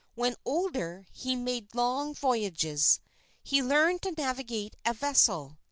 When older, he made long voyages. He learned to navigate a vessel.